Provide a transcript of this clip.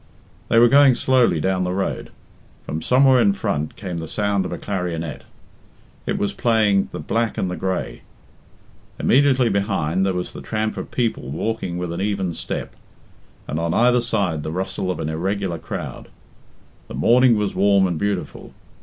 They were going slowly down the road. From somewhere in front came the sound of a clarionet. It was playing "the Black and the Grey." Immediately behind there was the tramp of people walking with an even step, and on either side the rustle of an irregular crowd. The morning was warm and beautiful.